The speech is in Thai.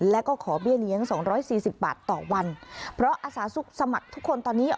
แล้วก็ขอเบี้ยเลี้ยง๒๔๐บาทต่อวันเพราะอาสาสุกสมัติทุกคนตอนนี้